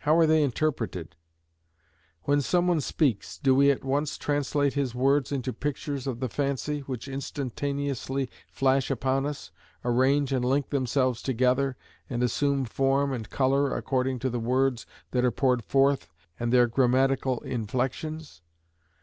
How are they interpreted? When some one speaks, do we at once translate his words into pictures of the fancy, which instantaneously flash upon us, arrange and link themselves together, and assume form and colour according to the words that are poured forth, and their grammatical inflections?